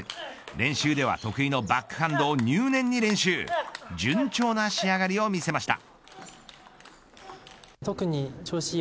練習では得意のバックハンドを入念に練習順調な仕上がりを見せました。